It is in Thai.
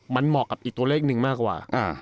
มันเหมาะกับอีกตัวเลขหนึ่งมากกว่า